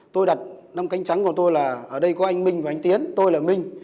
tôi đặt năm cánh trắng của tôi là ở đây có anh minh và anh tiến